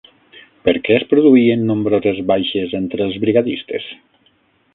Per què es produïen nombroses baixes entre els brigadistes?